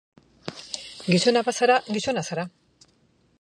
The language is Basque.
Gizona bazara, gizona zara.